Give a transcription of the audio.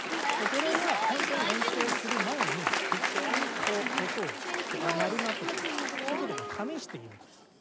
これはホントに演奏する前に適当に音を「あっ鳴るな」とかそういう事を試しているという。